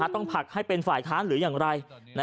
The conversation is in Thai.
ต้องผลักให้เป็นฝ่ายค้านหรืออย่างไร